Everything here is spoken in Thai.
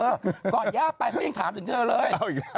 ก่อนย่าไปเขายังถามถึงเธอเลย